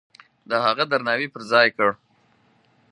د هغه درناوی پرځای کړ.